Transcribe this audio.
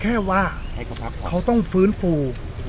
คือตอนนี้คือแค่ว่าเขาต้องฟื้นฟู